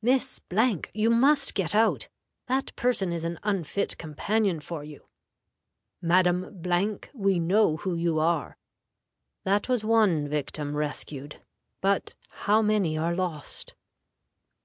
'Miss , you must get out; that person is an unfit companion for you. Madam , we know who you are.' That was one victim rescued, but how many are lost?"